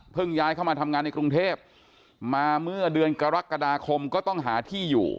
ย้ายเข้ามาทำงานในกรุงเทพมาเมื่อเดือนกรกฎาคมก็ต้องหาที่อยู่